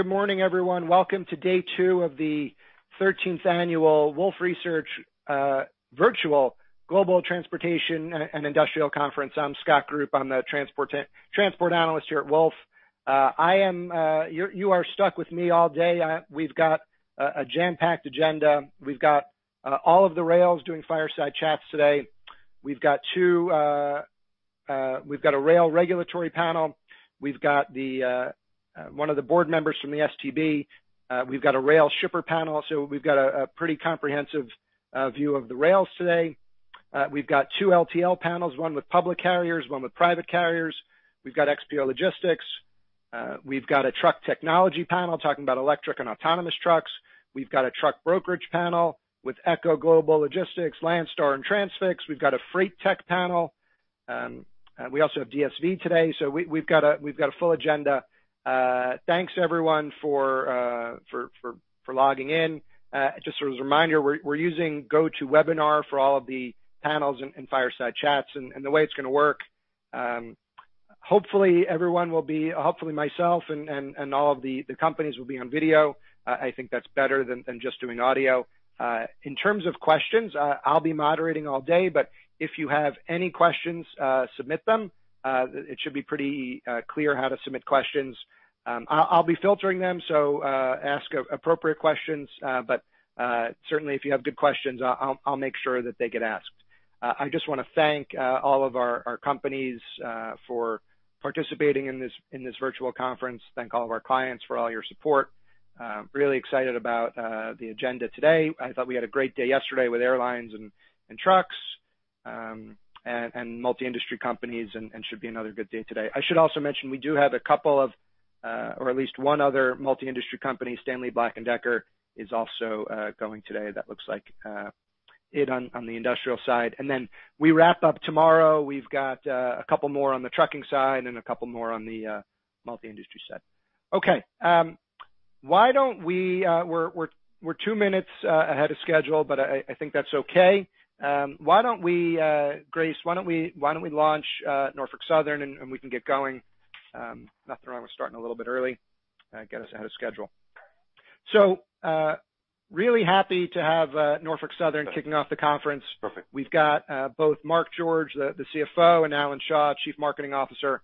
Good morning, everyone. Welcome to day two of the 13th Annual Wolf Research, Virtual Global Transportation and Industrial Conference. I'm Scott Group. I'm the transport analyst here at Wolfe. You are stuck with me all day. We've got a jam-packed agenda. We've got all of the rails doing fireside chats today. We've got a rail regulatory panel. We've got one of the board members from the STB. We've got a rail shipper panel. We've got a pretty comprehensive view of the rails today. We've got two LTL panels, one with public carriers, one with private carriers. We've got XPO Logistics. We've got a truck technology panel talking about electric and autonomous trucks. We've got a truck brokerage panel with Echo Global Logistics, Landstar, and Transfix. We've got a freight tech panel. We also have DSV today. We have got a full agenda. Thanks everyone for logging in. Just as a reminder, we are using GoToWebinar for all of the panels and fireside chats, and the way it is going to work, hopefully everyone will be—hopefully myself and all of the companies will be on video. I think that is better than just doing audio. In terms of questions, I will be moderating all day, but if you have any questions, submit them. It should be pretty clear how to submit questions. I will be filtering them, so ask appropriate questions. Certainly, if you have good questions, I will make sure that they get asked. I just want to thank all of our companies for participating in this virtual conference. Thank all of our clients for all your support. Really excited about the agenda today. I thought we had a great day yesterday with airlines and trucks and multi-industry companies, and should be another good day today. I should also mention we do have a couple of, or at least one other multi-industry company, Stanley Black & Decker, is also going today. That looks like it on the industrial side. And then we wrap up tomorrow. We've got a couple more on the trucking side and a couple more on the multi-industry side. Okay. Why don't we, we're two minutes ahead of schedule, but I think that's okay. Why don't we, Grace, why don't we launch Norfolk Southern and we can get going. Nothing wrong with starting a little bit early, get us ahead of schedule. So, really happy to have Norfolk Southern kicking off the conference. Perfect. We've got both Mark George, the CFO, and Alan Shaw, Chief Marketing Officer.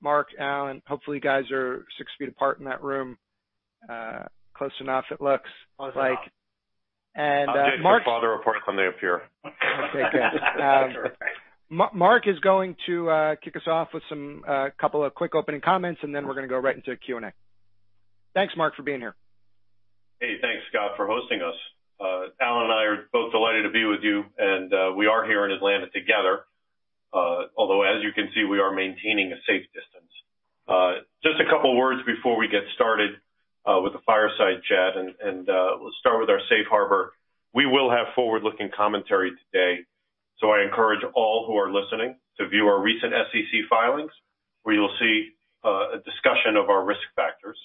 Mark, Alan, hopefully you guys are six feet apart in that room. Close enough it looks. Always like. And, Mark. I'll get your father reports when they appear. Okay. Yeah. Mark, Mark is going to kick us off with some, couple of quick opening comments, and then we're gonna go right into a Q and A. Thanks, Mark, for being here. Hey, thanks, Scott, for hosting us. Alan and I are both delighted to be with you, and we are here in Atlanta together, although as you can see, we are maintaining a safe distance. Just a couple words before we get started with the fireside chat, and we'll start with our safe harbor. We will have forward-looking commentary today. I encourage all who are listening to view our recent SEC filings, where you'll see a discussion of our risk factors.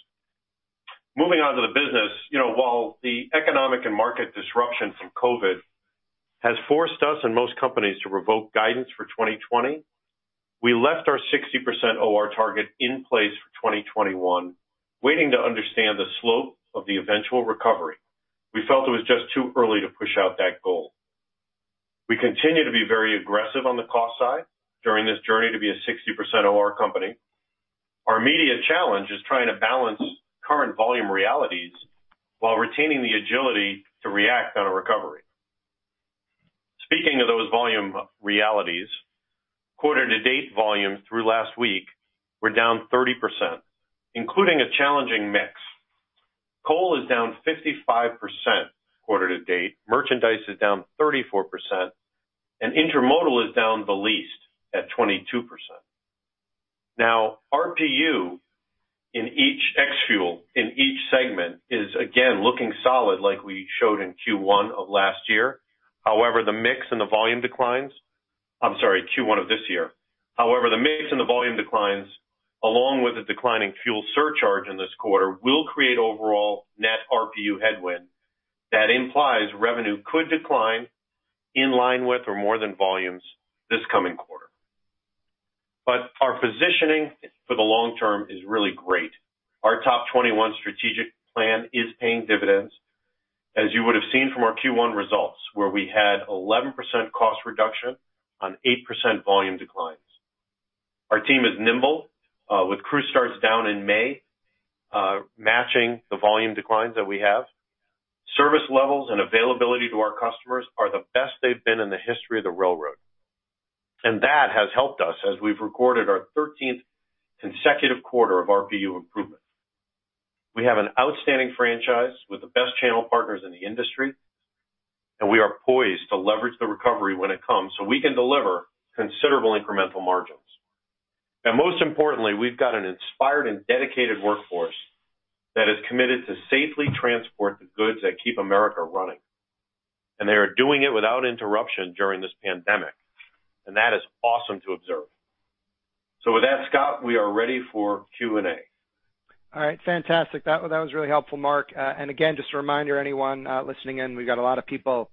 Moving on to the business, you know, while the economic and market disruption from COVID has forced us and most companies to revoke guidance for 2020, we left our 60% OR target in place for 2021, waiting to understand the slope of the eventual recovery. We felt it was just too early to push out that goal. We continue to be very aggressive on the cost side during this journey to be a 60% OR company. Our immediate challenge is trying to balance current volume realities while retaining the agility to react on a recovery. Speaking of those volume realities, quarter-to-date volume through last week were down 30%, including a challenging mix. Coal is down 55% quarter-to-date. Merchandise is down 34%, and intermodal is down the least at 22%. Now, RPU in each ex fuel, in each segment, is again looking solid like we showed in Q1 of last year. However, the mix and the volume declines—I'm sorry, Q1 of this year. However, the mix and the volume declines, along with a declining fuel surcharge in this quarter, will create overall net RPU headwind that implies revenue could decline in line with or more than volumes this coming quarter. Our positioning for the long term is really great. Our top 21 strategic plan is paying dividends, as you would have seen from our Q1 results, where we had 11% cost reduction on 8% volume declines. Our team is nimble, with crew starts down in May, matching the volume declines that we have. Service levels and availability to our customers are the best they've been in the history of the railroad. That has helped us as we've recorded our 13th consecutive quarter of RPU improvement. We have an outstanding franchise with the best channel partners in the industry, and we are poised to leverage the recovery when it comes so we can deliver considerable incremental margins. Most importantly, we've got an inspired and dedicated workforce that is committed to safely transport the goods that keep America running. They are doing it without interruption during this pandemic, and that is awesome to observe. With that, Scott, we are ready for Q and A. All right. Fantastic. That was really helpful, Mark. Again, just a reminder, anyone listening in, we've got a lot of people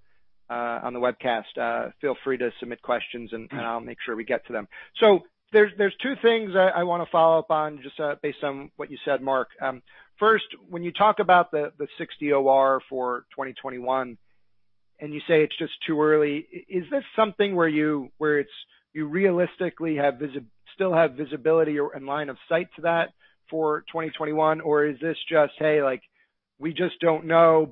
on the webcast, feel free to submit questions, and I'll make sure we get to them. There are two things I want to follow up on just based on what you said, Mark. First, when you talk about the 60 OR for 2021, and you say it's just too early, is this something where you realistically still have visibility or in line of sight to that for 2021, or is this just, hey, like, we just don't know,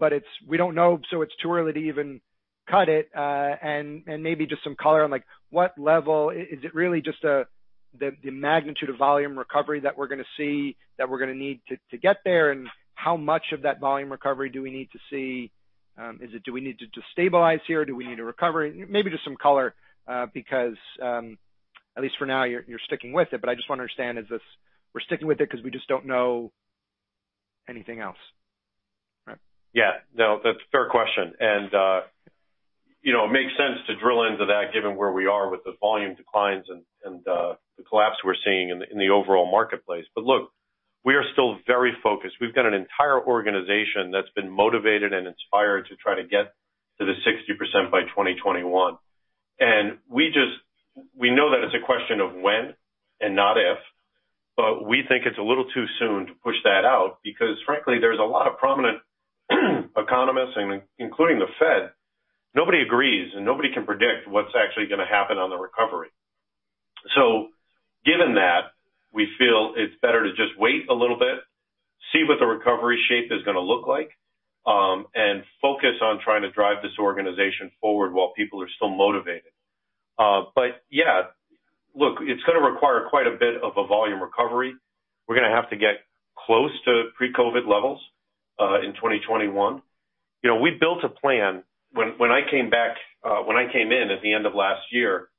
so it's too early to even cut it, and maybe just some color on, like, what level is it really just the magnitude of volume recovery that we're gonna see that we're gonna need to get there, and how much of that volume recovery do we need to see? Is it do we need to stabilize here, or do we need a recovery? Maybe just some color, because, at least for now, you're sticking with it. I just wanna understand, is this we're sticking with it 'cause we just don't know anything else, right? Yeah. No, that's a fair question. You know, it makes sense to drill into that given where we are with the volume declines and the collapse we're seeing in the overall marketplace. Look, we are still very focused. We've got an entire organization that's been motivated and inspired to try to get to the 60% by 2021. We just, we know that it's a question of when and not if, but we think it's a little too soon to push that out because, frankly, there's a lot of prominent economists, and including the Fed, nobody agrees, and nobody can predict what's actually gonna happen on the recovery. Given that, we feel it's better to just wait a little bit, see what the recovery shape is gonna look like, and focus on trying to drive this organization forward while people are still motivated. Yeah, look, it's gonna require quite a bit of a volume recovery. We're gonna have to get close to pre-COVID levels, in 2021. You know, we built a plan when I came back, when I came in at the end of last year,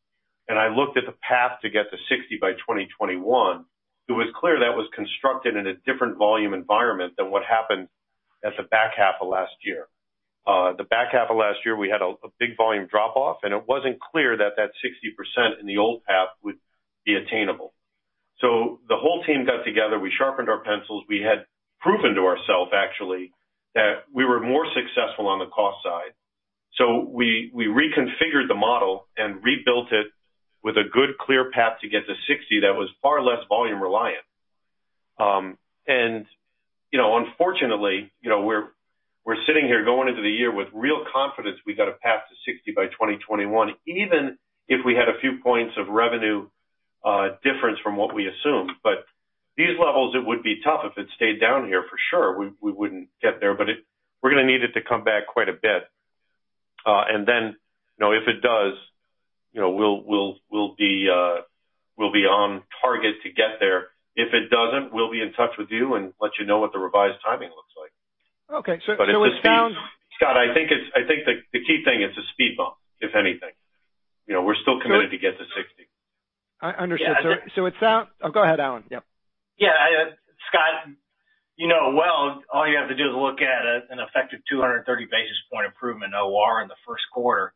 and I looked at the path to get to 60 by 2021, it was clear that was constructed in a different volume environment than what happened at the back half of last year. The back half of last year, we had a big volume drop-off, and it wasn't clear that that 60% in the old path would be attainable. The whole team got together. We sharpened our pencils. We had proven to ourself, actually, that we were more successful on the cost side. We reconfigured the model and rebuilt it with a good, clear path to get to 60 that was far less volume-reliant. And, you know, unfortunately, you know, we're sitting here going into the year with real confidence we got a path to 60 by 2021, even if we had a few points of revenue difference from what we assumed. At these levels, it would be tough if it stayed down here, for sure. We wouldn't get there, but we're gonna need it to come back quite a bit. And then, you know, if it does, you know, we'll be on target to get there. If it doesn't, we'll be in touch with you and let you know what the revised timing looks like. Okay. It sounds. Scott, I think the key thing is a speed bump, if anything. You know, we're still committed to get to 60. I understood. Okay. It sound oh, go ahead, Alan. Yep. Yeah. I, Scott, you know, all you have to do is look at an effective 230 basis point improvement OR in the first quarter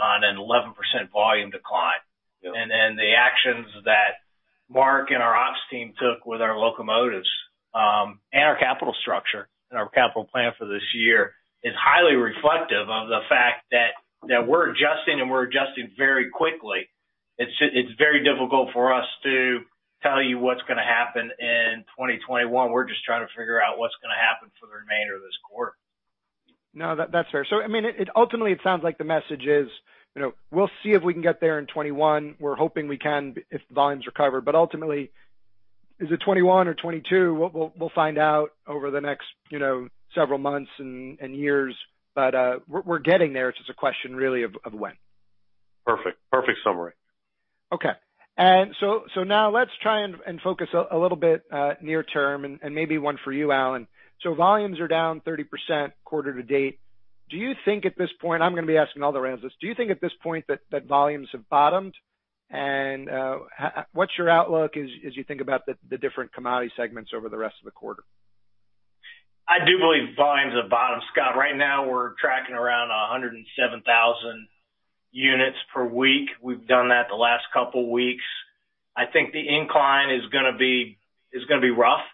on an 11% volume decline. Yeah. The actions that Mark and our ops team took with our locomotives, and our capital structure and our capital plan for this year is highly reflective of the fact that we are adjusting, and we are adjusting very quickly. It is very difficult for us to tell you what is gonna happen in 2021. We are just trying to figure out what is gonna happen for the remainder of this quarter. That, that's fair. I mean, it ultimately, it sounds like the message is, you know, we'll see if we can get there in 2021. We're hoping we can if the volumes recover. Ultimately, is it 2021 or 2022? We'll find out over the next, you know, several months and years. We're getting there. It's just a question, really, of when. Perfect. Perfect summary. Okay. Now let's try and focus a little bit, near-term, and maybe one for you, Alan. Volumes are down 30% quarter-to-date. Do you think at this point—I'm gonna be asking all the rans this—do you think at this point that volumes have bottomed? How, what's your outlook as you think about the different commodity segments over the rest of the quarter? I do believe volumes have bottomed. Scott, right now, we're tracking around 107,000 units per week. We've done that the last couple weeks. I think the incline is gonna be rough.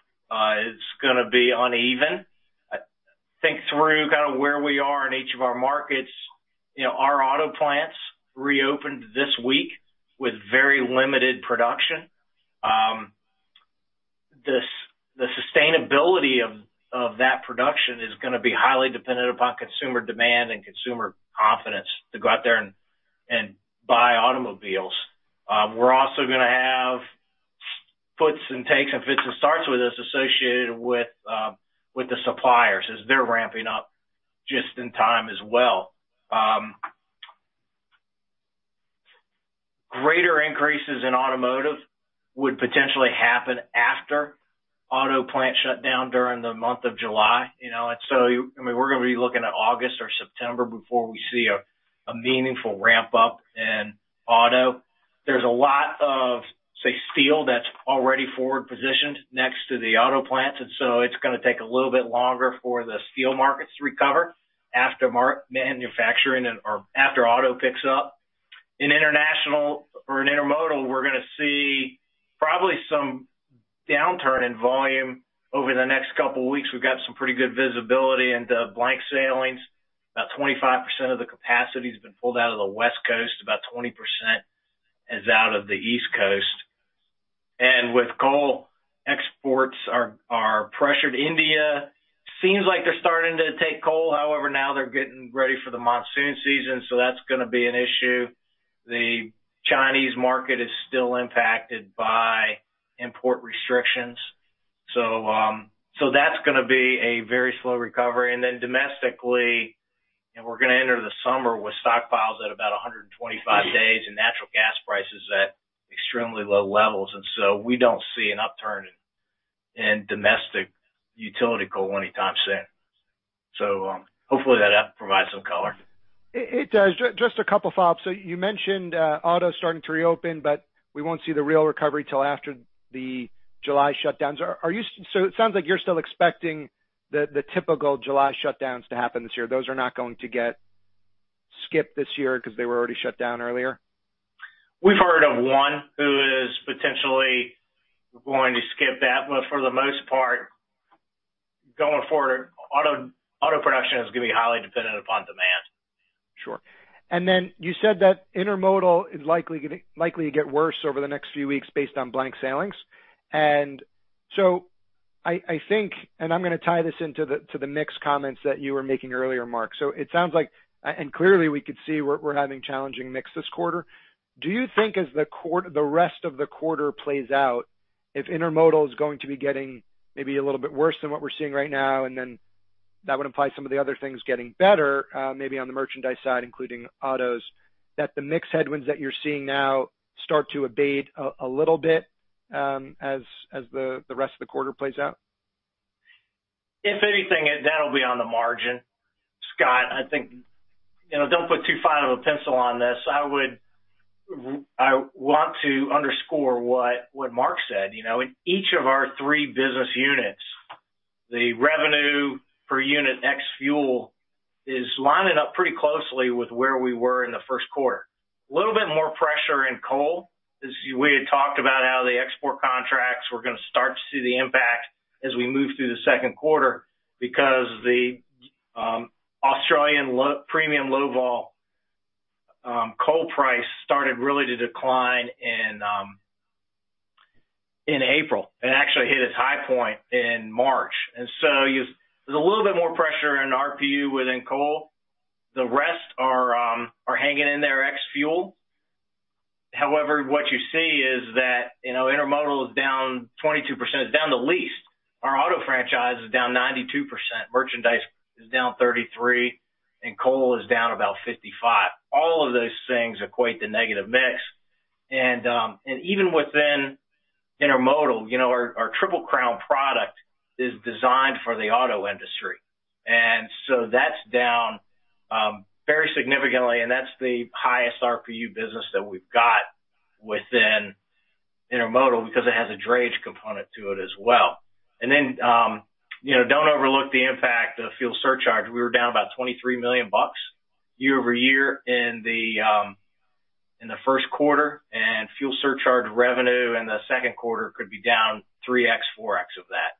It's gonna be uneven. I think through kinda where we are in each of our markets, you know, our auto plants reopened this week with very limited production. The sustainability of that production is gonna be highly dependent upon consumer demand and consumer confidence to go out there and buy automobiles. We're also gonna have puts and takes and fits and starts with us associated with the suppliers as they're ramping up just in time as well. Greater increases in automotive would potentially happen after auto plant shutdown during the month of July. You know, and so you, I mean, we're gonna be looking at August or September before we see a meaningful ramp-up in auto. There's a lot of, say, steel that's already forward-positioned next to the auto plants, and so it's gonna take a little bit longer for the steel markets to recover after manufacturing and or after auto picks up. In international or in intermodal, we're gonna see probably some downturn in volume over the next couple weeks. We've got some pretty good visibility into blank sailings. About 25% of the capacity has been pulled out of the West Coast. About 20% is out of the East Coast. With coal exports, our, our pressured India seems like they're starting to take coal. However, now they're getting ready for the monsoon season, so that's gonna be an issue. The Chinese market is still impacted by import restrictions. That's gonna be a very slow recovery. And then domestically, you know, we're gonna enter the summer with stockpiles at about 125 days and natural gas prices at extremely low levels. And so we don't see an upturn in, in domestic utility coal anytime soon. Hopefully, that provides some color. It does. Just a couple thoughts. You mentioned auto starting to reopen, but we will not see the real recovery till after the July shutdowns. Are you, so it sounds like you are still expecting the typical July shutdowns to happen this year. Those are not going to get skipped this year because they were already shut down earlier? We've heard of one who is potentially going to skip that. For the most part, going forward, auto production is gonna be highly dependent upon demand. Sure. You said that intermodal is likely gonna likely to get worse over the next few weeks based on blank sailings. I think, and I'm gonna tie this into the mixed comments that you were making earlier, Mark. It sounds like, and clearly, we could see we're having challenging mix this quarter. Do you think as the rest of the quarter plays out, if intermodal is going to be getting maybe a little bit worse than what we're seeing right now, that would imply some of the other things getting better, maybe on the merchandise side, including autos, that the mixed headwinds that you're seeing now start to abate a little bit as the rest of the quarter plays out? If anything, that'll be on the margin. Scott, I think you know, don't put too fine of a pencil on this. I want to underscore what Mark said. You know, in each of our three business units, the revenue per unit X fuel is lining up pretty closely with where we were in the first quarter. A little bit more pressure in coal as we had talked about how the export contracts were gonna start to see the impact as we move through the second quarter because the Australian premium low-vol coal price started really to decline in April and actually hit its high point in March. And so you know there's a little bit more pressure in RPU within coal. The rest are hanging in there X fuel. However, what you see is that, you know, intermodal is down 22%. It's down the least. Our auto franchise is down 92%. Merchandise is down 33%, and coal is down about 55%. All of those things equate to negative mix. And even within intermodal, you know, our Triple Crown product is designed for the auto industry. And so that's down, very significantly, and that's the highest RPU business that we've got within intermodal because it has a drayage component to it as well. And then, you know, don't overlook the impact of fuel surcharge. We were down about $23 million year over year in the, in the first quarter, and fuel surcharge revenue in the second quarter could be down 3x-4x of that.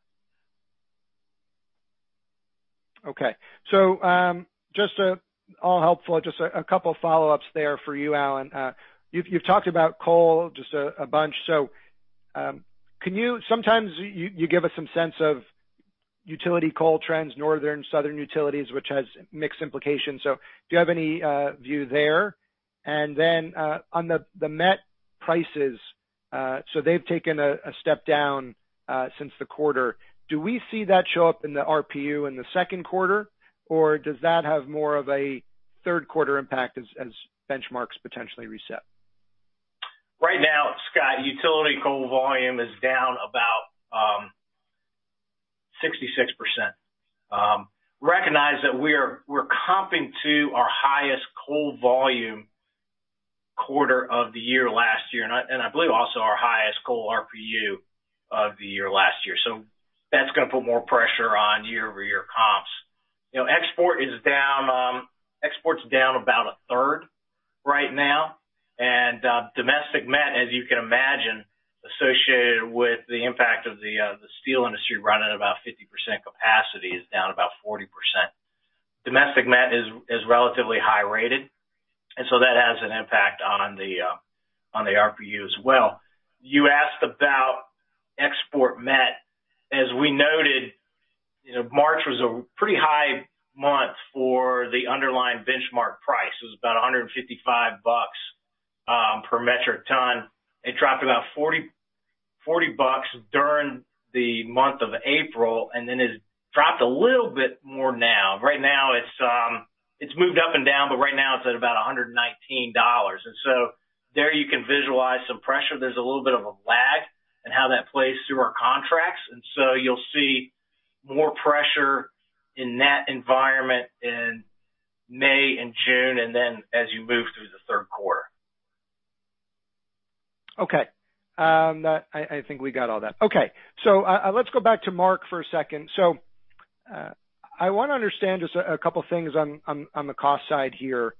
Okay. Just all helpful, just a couple follow-ups there for you, Alan. You've talked about coal just a bunch. Can you sometimes give us some sense of utility coal trends, northern, southern utilities, which has mixed implications. Do you have any view there? And then, on the met prices, they've taken a step down since the quarter. Do we see that show up in the RPU in the second quarter, or does that have more of a third-quarter impact as benchmarks potentially reset? Right now, Scott, utility coal volume is down about 66%. Recognize that we are comping to our highest coal volume quarter of the year last year and I believe also our highest coal RPU of the year last year. That's gonna put more pressure on year-over-year comps. You know, export is down, export's down about a third right now. Domestic met, as you can imagine, associated with the impact of the steel industry running at about 50% capacity, is down about 40%. Domestic met is relatively high-rated, and so that has an impact on the RPU as well. You asked about export met. As we noted, March was a pretty high month for the underlying benchmark price. It was about $155 per metric ton. It dropped about 40, 40 bucks during the month of April and then has dropped a little bit more now. Right now, it's moved up and down, but right now, it's at about $119. There you can visualize some pressure. There's a little bit of a lag in how that plays through our contracts. You'll see more pressure in that environment in May and June and then as you move through the third quarter. Okay. I think we got all that. Okay. Let's go back to Mark for a second. I wanna understand just a couple things on the cost side here.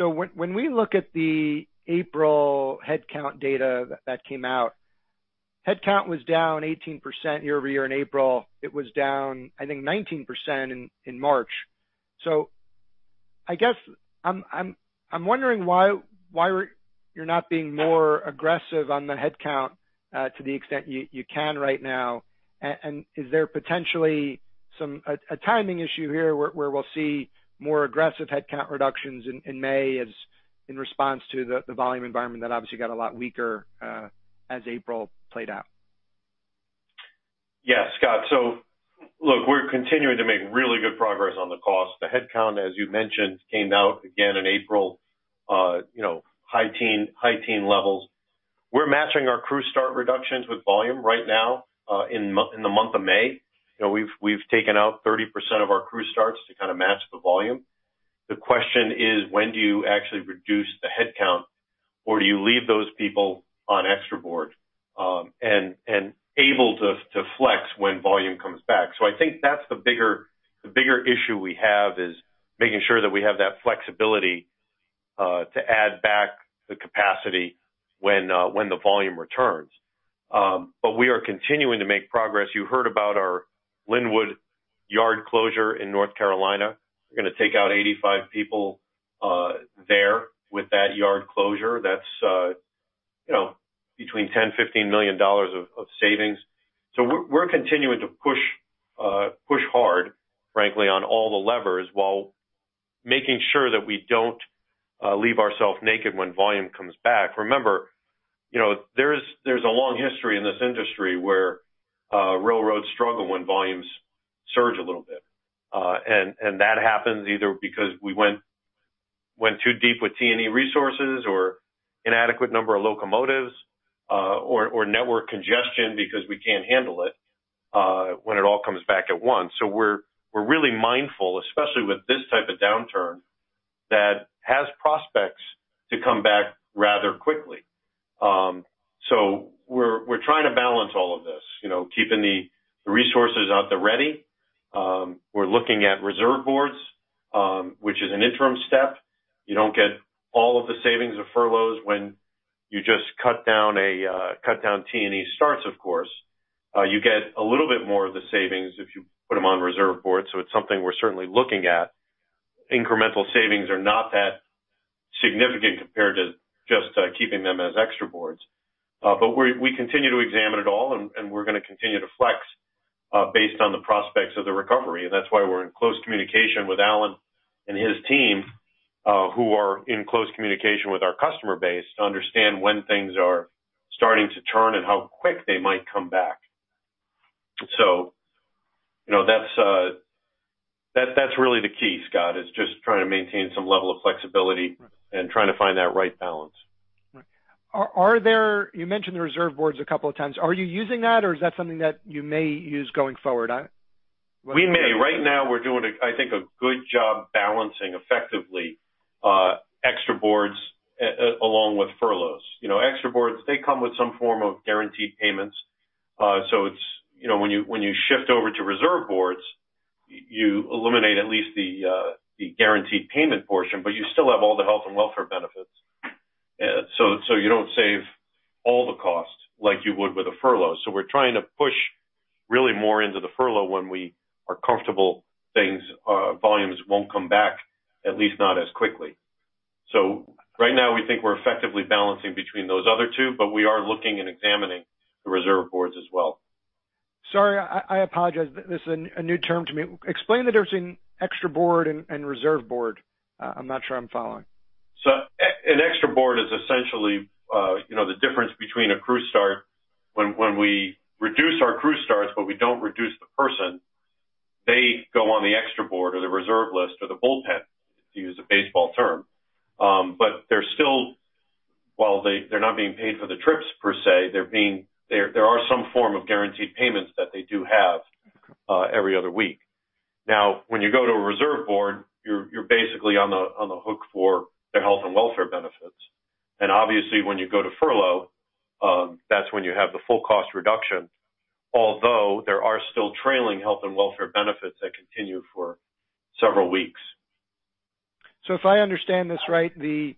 When we look at the April headcount data that came out, headcount was down 18% year over year. In April, it was down, I think, 19% in March. I guess I'm wondering why you're not being more aggressive on the headcount, to the extent you can right now. And is there potentially some timing issue here where we'll see more aggressive headcount reductions in May as a response to the volume environment that obviously got a lot weaker as April played out? Yeah. Scott, so look, we're continuing to make really good progress on the cost. The headcount, as you mentioned, came out again in April, you know, high-teen, high-teen levels. We're matching our crew start reductions with volume right now, in the month of May. You know, we've taken out 30% of our crew starts to kinda match the volume. The question is, when do you actually reduce the headcount, or do you leave those people on extra board, and able to flex when volume comes back? I think that's the bigger issue we have is making sure that we have that flexibility, to add back the capacity when the volume returns. We are continuing to make progress. You heard about our Linwood yard closure in North Carolina. We're gonna take out 85 people there with that yard closure. That's, you know, between $10 million-$15 million of savings. We're continuing to push hard, frankly, on all the levers while making sure that we don't leave ourselves naked when volume comes back. Remember, you know, there's a long history in this industry where railroads struggle when volumes surge a little bit. That happens either because we went too deep with T&E resources or inadequate number of locomotives, or network congestion because we can't handle it when it all comes back at once. We're really mindful, especially with this type of downturn, that has prospects to come back rather quickly. We're trying to balance all of this, you know, keeping the resources out there ready. We're looking at reserve boards, which is an interim step. You don't get all of the savings of furloughs when you just cut down a, cut down T&E starts, of course. You get a little bit more of the savings if you put them on reserve boards. It's something we're certainly looking at. Incremental savings are not that significant compared to just keeping them as extra boards. We continue to examine it all, and we're gonna continue to flex, based on the prospects of the recovery. That's why we're in close communication with Alan and his team, who are in close communication with our customer base to understand when things are starting to turn and how quick they might come back. You know, that's really the key, Scott, is just trying to maintain some level of flexibility and trying to find that right balance. Right. Are there, you mentioned the reserve boards a couple of times. Are you using that, or is that something that you may use going forward? I what. We may. Right now, we're doing a, I think, a good job balancing effectively, extra boards, along with furloughs. You know, extra boards, they come with some form of guaranteed payments. It's, you know, when you shift over to reserve boards, you eliminate at least the guaranteed payment portion, but you still have all the health and welfare benefits. You don't save all the cost like you would with a furlough. We're trying to push really more into the furlough when we are comfortable things, volumes won't come back, at least not as quickly. Right now, we think we're effectively balancing between those other two, but we are looking and examining the reserve boards as well. Sorry. I apologize. This is a new term to me. Explain the difference between extra board and reserve board. I'm not sure I'm following. An extra board is essentially, you know, the difference between a crew start when we reduce our crew starts, but we do not reduce the person. They go on the extra board or the reserve list or the bullpen, to use a baseball term. While they are not being paid for the trips per se, there are some form of guaranteed payments that they do have. Okay. Every other week. Now, when you go to a reserve board, you're basically on the hook for their health and welfare benefits. Obviously, when you go to furlough, that's when you have the full-cost reduction, although there are still trailing health and welfare benefits that continue for several weeks. If I understand this right, the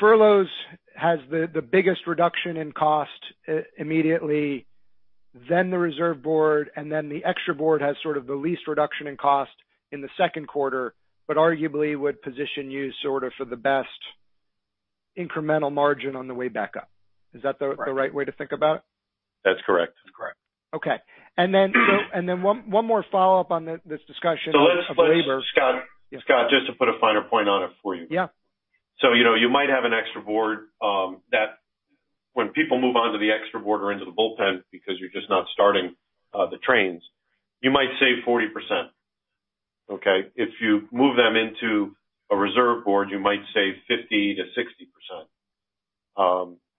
furloughs has the biggest reduction in cost immediately, then the reserve board, and then the extra board has sort of the least reduction in cost in the second quarter, but arguably would position you sort of for the best incremental margin on the way back up. Is that the right way to think about it? That's correct. That's correct. Okay. And then one more follow-up on this discussion of labor. Scott, just to put a finer point on it for you. Yeah. You know, you might have an extra board, that when people move on to the extra board or into the bullpen because you're just not starting the trains, you might save 40%. Okay? If you move them into a reserve board, you might save 50-60%,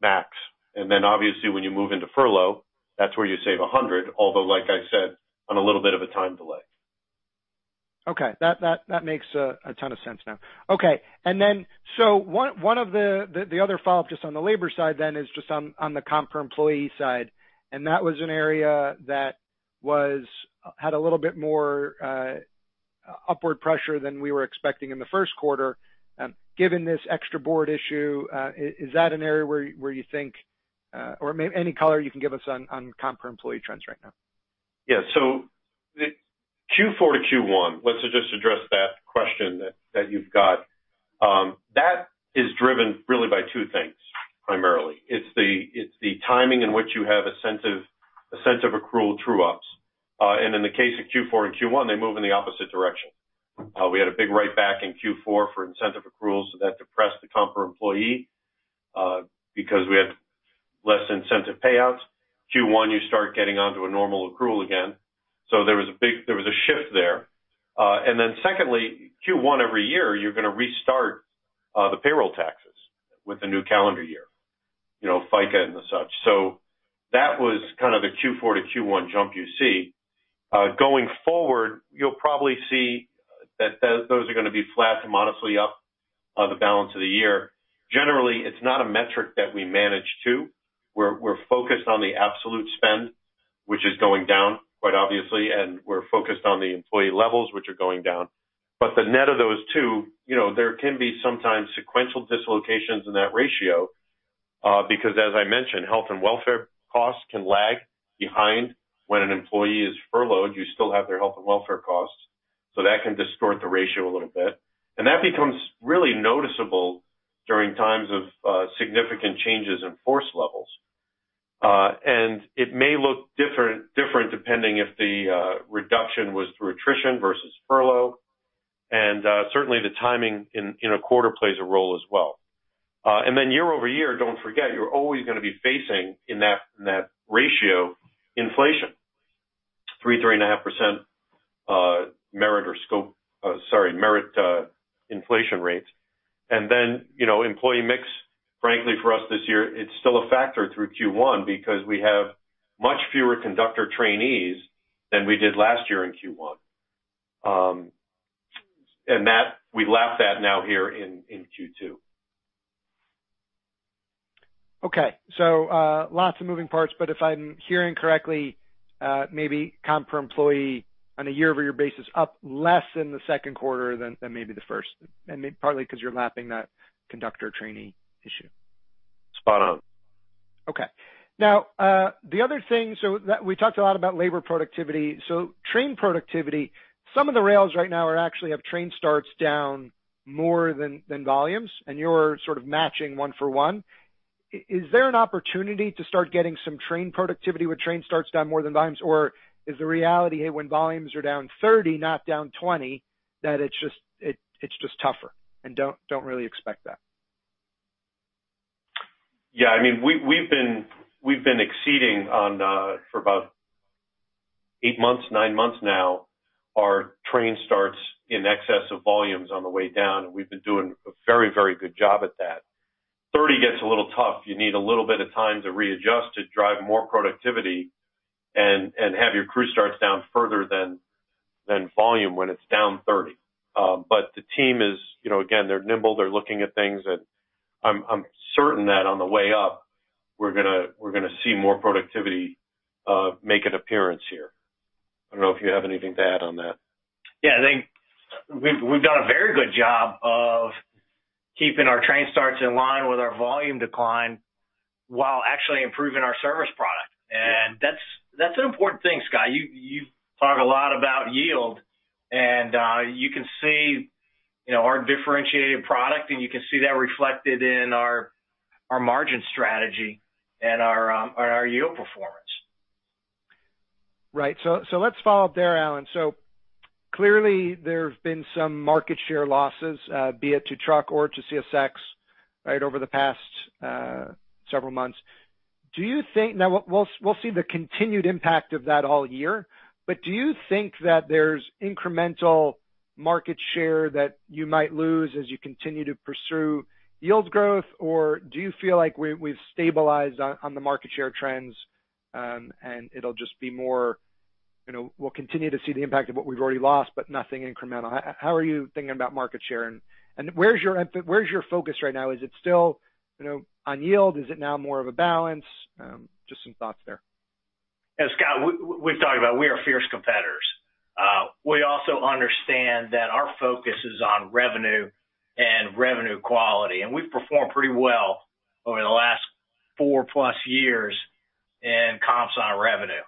max. And then obviously, when you move into furlough, that's where you save 100%, although, like I said, on a little bit of a time delay. Okay. That makes a ton of sense now. Okay. One of the other follow-up just on the labor side then is just on the comp for employee side. That was an area that had a little bit more upward pressure than we were expecting in the first quarter. Given this extra board issue, is that an area where you think, or any color you can give us on comp for employee trends right now? Yeah. The Q4 to Q1, let's just address that question that you've got. That is driven really by two things primarily. It's the timing in which you have a sense of accrual true-ups. In the case of Q4 and Q1, they move in the opposite direction. We had a big write-back in Q4 for incentive accruals, so that depressed the comp for employee, because we had less incentive payouts. Q1, you start getting onto a normal accrual again. So there was a shift there. Secondly, Q1 every year, you're gonna restart the payroll taxes with a new calendar year, you know, FICA and the such. That was kind of the Q4 to Q1 jump you see. Going forward, you'll probably see that those are gonna be flat to modestly up on the balance of the year. Generally, it's not a metric that we manage to. We're focused on the absolute spend, which is going down quite obviously, and we're focused on the employee levels, which are going down. The net of those two, you know, there can be sometimes sequential dislocations in that ratio, because, as I mentioned, health and welfare costs can lag behind when an employee is furloughed. You still have their health and welfare costs. That can distort the ratio a little bit. That becomes really noticeable during times of significant changes in force levels. It may look different depending if the reduction was through attrition versus furlough. Certainly, the timing in a quarter plays a role as well. Year over year, don't forget, you're always gonna be facing in that, in that ratio inflation, 3-3.5% merit or scope, sorry, merit, inflation rates. And then, you know, employee mix, frankly, for us this year, it's still a factor through Q1 because we have much fewer conductor trainees than we did last year in Q1. And that we lapped that now here in, in Q2. Okay. Lots of moving parts, but if I'm hearing correctly, maybe comp for employee on a year-over-year basis up less in the second quarter than, than maybe the first, and maybe partly 'cause you're lapping that conductor trainee issue. Spot on. Okay. Now, the other thing is that we talked a lot about labor productivity. Train productivity, some of the rails right now actually have train starts down more than volumes, and you're sort of matching one for one. Is there an opportunity to start getting some train productivity with train starts down more than volumes, or is the reality, hey, when volumes are down 30, not down 20, that it's just tougher and don't really expect that? Yeah. I mean, we've been exceeding on, for about eight months, nine months now, our train starts in excess of volumes on the way down. We've been doing a very, very good job at that. Thirty gets a little tough. You need a little bit of time to readjust, to drive more productivity, and have your crew starts down further than volume when it's down 30. The team is, you know, again, they're nimble. They're looking at things. I'm certain that on the way up, we're gonna see more productivity make an appearance here. I don't know if you have anything to add on that. Yeah. I think we've done a very good job of keeping our train starts in line with our volume decline while actually improving our service product. That's an important thing, Scott. You talk a lot about yield, and you can see, you know, our differentiated product, and you can see that reflected in our margin strategy and our yield performance. Right. Let's follow up there, Alan. Clearly, there've been some market share losses, be it to truck or to CSX, over the past several months. Do you think now we'll see the continued impact of that all year, but do you think that there's incremental market share that you might lose as you continue to pursue yield growth, or do you feel like we've stabilized on the market share trends, and it'll just be more, you know, we'll continue to see the impact of what we've already lost, but nothing incremental? How are you thinking about market share? Where's your focus right now? Is it still, you know, on yield? Is it now more of a balance? Just some thoughts there. Yeah. Scott, we have talked about we are fierce competitors. We also understand that our focus is on revenue and revenue quality. We have performed pretty well over the last four-plus years in comps on revenue.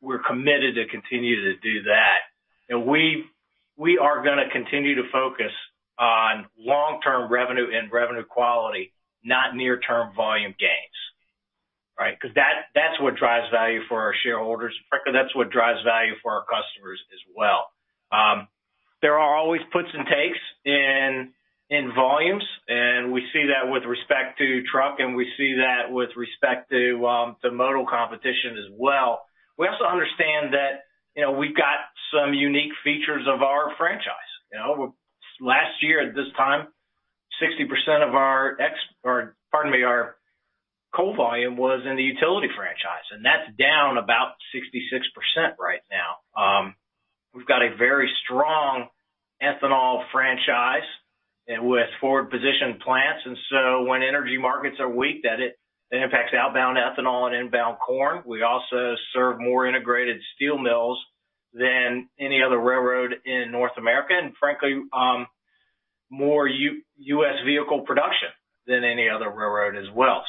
We are committed to continue to do that. We are going to continue to focus on long-term revenue and revenue quality, not near-term volume gains, right, because that is what drives value for our shareholders. In fact, that is what drives value for our customers as well. There are always puts and takes in volumes, and we see that with respect to truck, and we see that with respect to the modal competition as well. We also understand that, you know, we have got some unique features of our franchise. You know, last year at this time, 60% of our, or pardon me, our coal volume was in the utility franchise, and that's down about 66% right now. We've got a very strong ethanol franchise with forward-positioned plants. When energy markets are weak, it impacts outbound ethanol and inbound corn. We also serve more integrated steel mills than any other railroad in North America and, frankly, more U.S. vehicle production than any other railroad as well.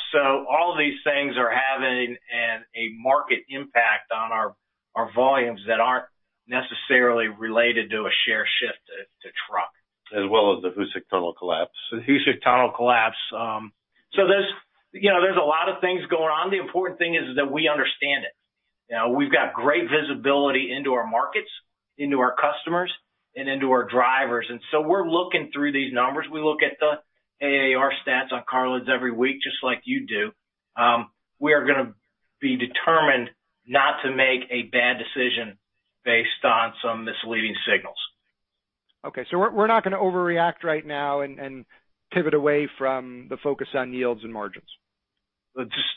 All these things are having a market impact on our volumes that aren't necessarily related to a share shift to truck. As well as the Hoosac Tunnel collapse. The Hoosac Tunnel collapse. You know, there's a lot of things going on. The important thing is that we understand it. You know, we've got great visibility into our markets, into our customers, and into our drivers. You know, we're looking through these numbers. We look at the AAR stats on carloads every week, just like you do. We are gonna be determined not to make a bad decision based on some misleading signals. Okay. We're not gonna overreact right now and pivot away from the focus on yields and margins. Just,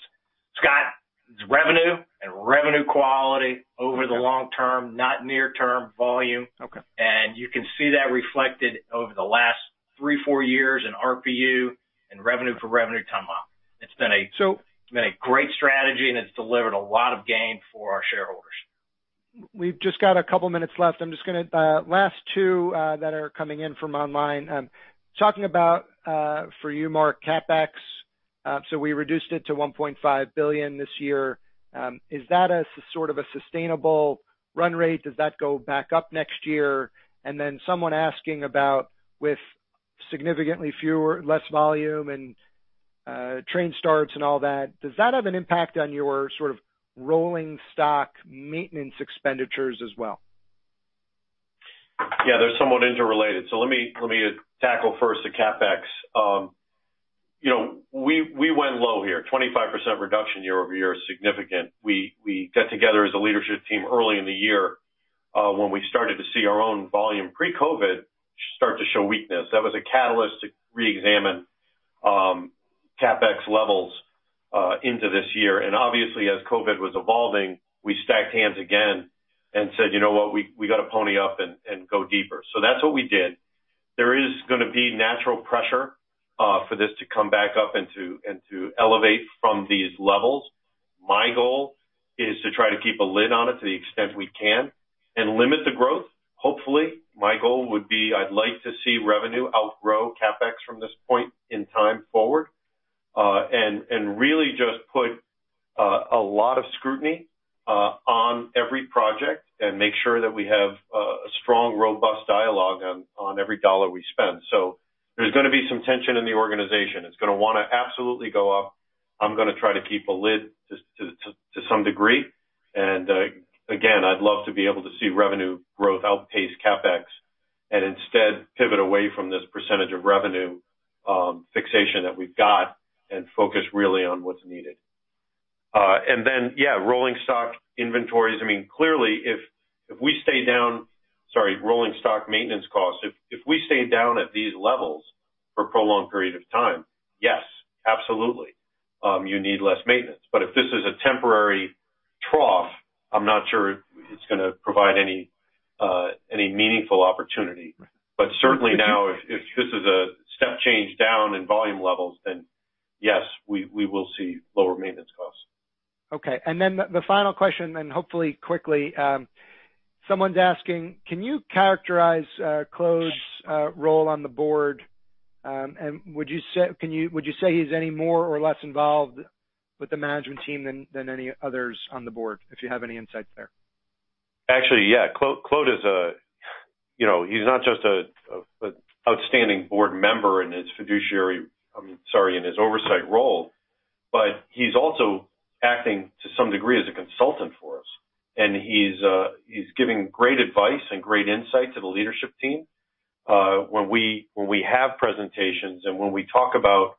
Scott, it's revenue and revenue quality over the long term, not near-term volume. Okay. You can see that reflected over the last three, four years in RPU and revenue for revenue time off. It's been a. So. It's been a great strategy, and it's delivered a lot of gain for our shareholders. We've just got a couple minutes left. I'm just gonna, last two, that are coming in from online. Talking about, for you, Mark, CapEx. So we reduced it to $1.5 billion this year. Is that a sort of a sustainable run rate? Does that go back up next year? And then someone asking about with significantly fewer less volume and, train starts and all that, does that have an impact on your sort of rolling stock maintenance expenditures as well? Yeah. They're somewhat interrelated. Let me tackle first the CapEx. You know, we went low here. 25% reduction year over year is significant. We got together as a leadership team early in the year, when we started to see our own volume pre-COVID start to show weakness. That was a catalyst to reexamine CapEx levels into this year. Obviously, as COVID was evolving, we stacked hands again and said, "You know what? We gotta pony up and go deeper." That is what we did. There is gonna be natural pressure for this to come back up and to elevate from these levels. My goal is to try to keep a lid on it to the extent we can and limit the growth. Hopefully, my goal would be I'd like to see revenue outgrow CapEx from this point in time forward, and really just put a lot of scrutiny on every project and make sure that we have a strong, robust dialogue on every dollar we spend. There's gonna be some tension in the organization. It's gonna wanna absolutely go up. I'm gonna try to keep a lid to some degree. Again, I'd love to be able to see revenue growth outpace CapEx and instead pivot away from this percentage of revenue fixation that we've got and focus really on what's needed. Then, yeah, rolling stock inventories. I mean, clearly, if we stay down—sorry, rolling stock maintenance costs—if we stay down at these levels for a prolonged period of time, yes, absolutely, you need less maintenance. If this is a temporary trough, I'm not sure it's gonna provide any meaningful opportunity. Certainly now, if this is a step change down in volume levels, then yes, we will see lower maintenance costs. Okay. The final question, and hopefully quickly, someone's asking, can you characterize Claude's role on the board? Would you say, can you, would you say he's any more or less involved with the management team than any others on the board, if you have any insight there? Actually, yeah. Claude is a, you know, he's not just a, a, an outstanding board member in his fiduciary, I'm sorry, in his oversight role, but he's also acting to some degree as a consultant for us. And he's giving great advice and great insight to the leadership team. When we have presentations and when we talk about,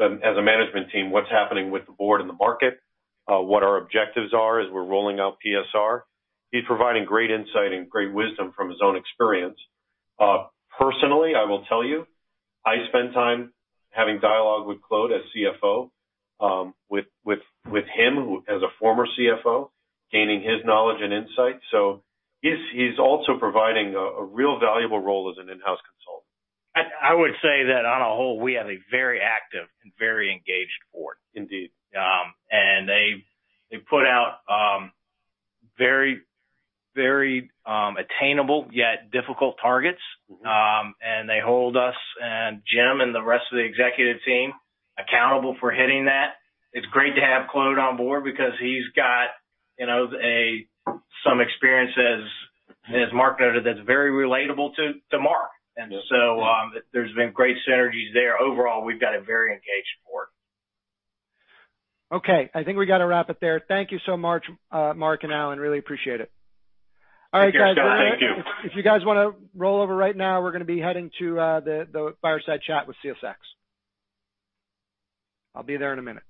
as a management team, what's happening with the board and the market, what our objectives are as we're rolling out PSR, he's providing great insight and great wisdom from his own experience. Personally, I will tell you, I spend time having dialogue with Claude as CFO, with him as a former CFO, gaining his knowledge and insight. So he's also providing a, a real valuable role as an in-house consultant. I would say that on a whole, we have a very active and very engaged board. Indeed. They put out very, very attainable yet difficult targets. Mm-hmm. They hold us and Jim and the rest of the executive team accountable for hitting that. It's great to have Claude on board because he's got, you know, some experience as market that's very relatable to Mark. Yes. There have been great synergies there. Overall, we've got a very engaged board. Okay. I think we gotta wrap it there. Thank you so much, Mark and Alan. Really appreciate it. All right, guys. Thank you. If you guys wanna roll over right now, we're gonna be heading to the Fireside Chat with CSX. I'll be there in a minute.